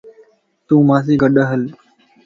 تون مان سين گڏھل